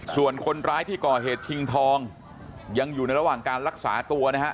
ส่วนคนร้ายที่ก่อเหตุชิงทองยังอยู่ในระหว่างการรักษาตัวนะฮะ